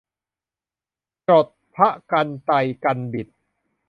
จรดพระกรรไตรกรรบิด